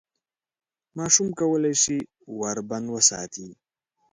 ماشوم کولای شي ور بند وساتي.